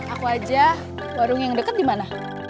aku aja warung yang dekat di mana